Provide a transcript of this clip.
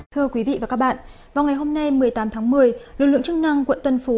thưa quý vị và các bạn vào ngày hôm nay một mươi tám tháng một mươi lực lượng chức năng quận tân phú